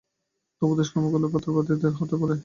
তবে দুষ্কর্ম করলে পর পাদ্রীদের হাতে পড়ে।